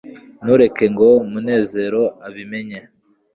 ntureke ngo munezero abimenye